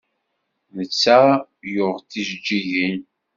Netta yuɣ-d tijeǧǧigin.